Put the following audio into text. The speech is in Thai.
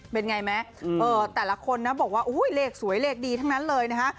เป็นไงไหมแต่ละคนนะบอกว่าอุ้ยเลขสวยเลขดีทั้งนั้นเลยนะฮะ